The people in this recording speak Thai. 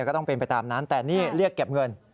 ก็ต้องเป็นไปตามนั้นแต่นี่เรียกเก็บเงิน